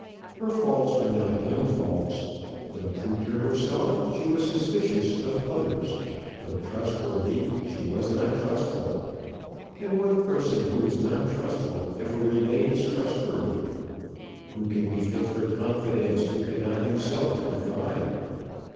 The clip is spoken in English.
Her faults were not young faults. Though true herself, she was suspicious of others; though trustworthy, she was not trustful: and what person who is not trustful ever remains trustworthy? Who can be fit for confidence who cannot himself confide?